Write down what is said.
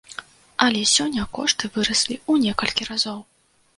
Але сёння кошты выраслі ў некалькі разоў.